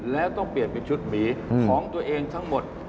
แล้วต้องเปลี่ยนเป็นชุดหมีของตัวเองทั้งหมด